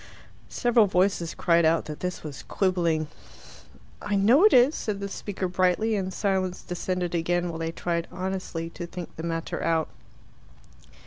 Several voices cried out that this was quibbling. "I know it is," said the speaker brightly, and silence descended again, while they tried honestly to think the matter out.